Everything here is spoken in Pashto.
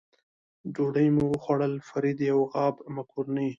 ډوډۍ مو وخوړل، فرید یو غاب مکروني.